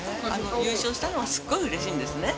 優勝したのはすごいうれしいんですね。